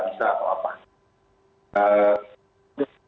dan misalnya mereka selalu berdalih menggunakan beroperasi robot